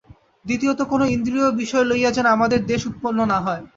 দ্বিতীয়ত কোন ইন্দ্রিয়-বিষয় লইয়া যেন আমাদের দ্বেষ উৎপন্ন না হয়।